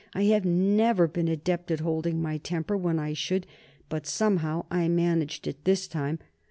I have never been adept at holding my temper when I should, but somehow I managed it this time.